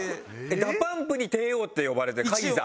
ＤＡＰＵＭＰに帝王って呼ばれてカイザー。